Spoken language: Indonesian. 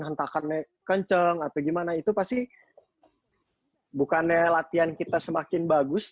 hentakannya kenceng atau gimana itu pasti bukannya latihan kita semakin bagus